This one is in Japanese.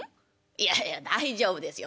いやいや大丈夫ですよ。